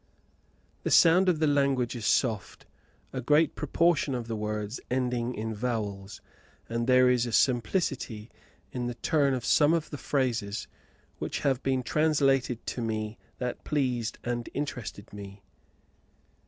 The sound of the language is soft, a great proportion of the words ending in vowels; and there is a simplicity in the turn of some of the phrases which have been translated to me that pleased and interested me.